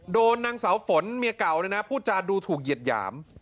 โดนนางสาวฝนเมียเก่าพูดจาดูถูกเหยียดหยาม